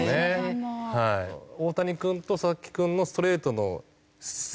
大谷君と佐々木君のストレートの質が違う。